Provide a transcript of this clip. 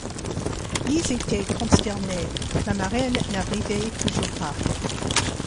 Lise était consternée, la marraine n’arrivait toujours pas.